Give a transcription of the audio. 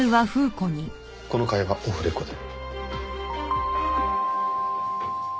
この会話オフレコで。